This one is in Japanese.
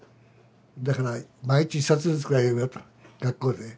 だから毎日１冊ずつぐらい読みよった学校で。